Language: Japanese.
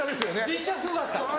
実写すごかった。